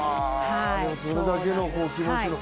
それだけの気持ちの。